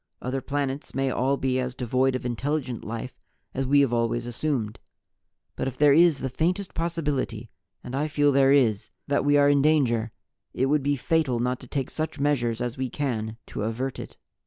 Other planets may all be as devoid of intelligent life as We have always assumed. But if there is the faintest possibility and I feel there is that we are in danger, it would be fatal not to take such measures as we can to avert it."